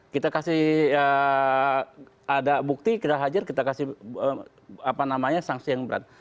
kita kasih ada bukti kita hajar kita kasih apa namanya sangsi yang berat